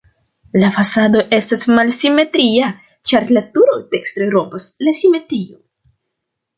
La fasado estas malsimetria, ĉar la turo dekstre rompas la simetrion.